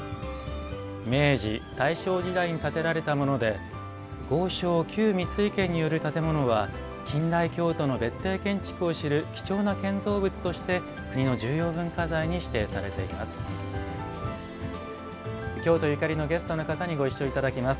明治・大正時代に建てられたもので豪商・旧三井家による建物は近代京都の別邸建築を知る貴重な建造物として国の重要文化財に指定されています。